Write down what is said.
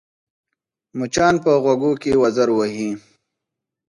مچان په غوږو کې وزر وهي